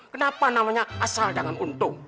kenapa namanya asal jangan untung